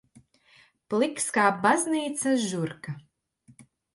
Pliks kā baznīcas žurka.